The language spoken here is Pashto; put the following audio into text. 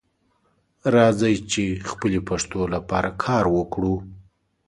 راځئ چې خپلې پښتو لپاره کار وکړو